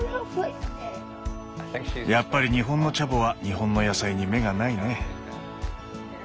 やっぱり日本のチャボは日本の野菜に目がないね。